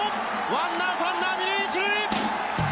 １アウトランナー二塁一塁！